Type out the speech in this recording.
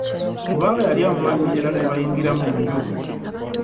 Kubanga yali amumanyi era ne bayingira mu nju.